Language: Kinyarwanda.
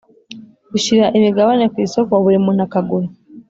Ushyira imigabane ku isoko buri muntu akagura